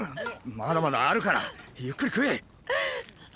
まだまだあるからゆっくり食え！！